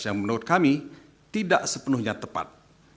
yang menurut kami tidak sepenuhnya tepat